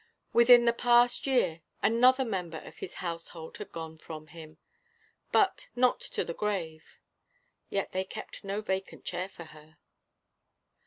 Within the past year another member of his household had gone from him, but not to the grave. Yet they kept no vacant chair for her.